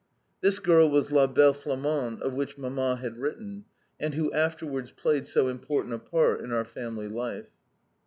This girl was "La Belle Flamande" of whom Mamma had written, and who afterwards played so important a part in our family life.